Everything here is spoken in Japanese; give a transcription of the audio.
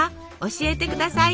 教えてください。